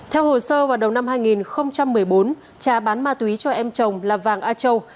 theo hồ sơ vào đầu năm hai nghìn một mươi bốn trà bán ma túy cho em chồng là vàng a châu